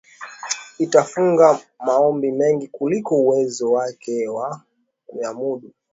itafungua maombi mengi kuliko uwezo wake wa kuyamudu